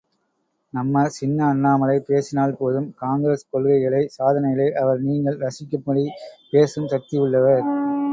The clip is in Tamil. நம்ம சின்ன அண்ணாமலை பேசினால் போதும், காங்கிரஸ் கொள்கைகளை சாதனைகளை அவர் நீங்கள் ரசிக்கும்படி பேசும் சக்தி உளளவர்.